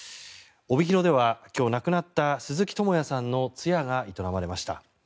帯広では今日亡くなった鈴木智也さんの通夜が営まれました。